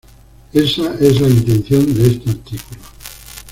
Esa es la intención de este artículo".